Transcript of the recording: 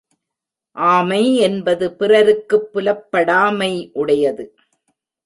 ஆமை என்பது பிறருக்குப் புலப்படாமை உடையது.